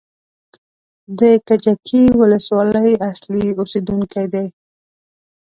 د کجکي ولسوالۍ اصلي اوسېدونکی دی.